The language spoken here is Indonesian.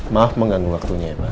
maaf mengganggu waktunya ya pak